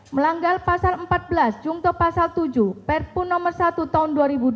melanggar pasal empat belas jungto pasal tujuh perpu nomor satu tahun dua ribu dua puluh